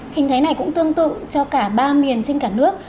kinh thái này cũng tương tự cho cả ba miền trên cả nước